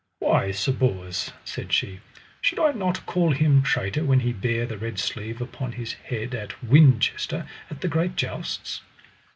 Why Sir Bors, said she, should I not call him traitor when he bare the red sleeve upon his head at Winchester, at the great jousts?